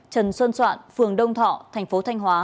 trần xuân soạn phường đông thọ thành phố thanh hóa